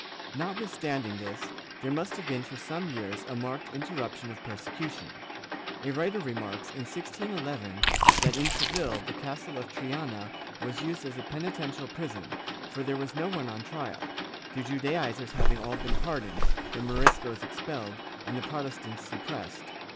^ Notwithstanding this, there must have been for some years a marked interruption of persecution. A writer remarks, in 1611, that in Seville the Castle of Triana was used as a peniten tial prison, for there was no one on trial, the Judaizers having all been pardoned, the Moriscos expelled and the Protestants suppressed.'